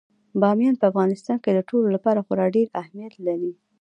بامیان په افغانستان کې د ټولو لپاره خورا ډېر اهمیت لري.